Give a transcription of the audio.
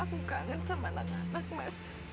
aku kangen sama anak anak mas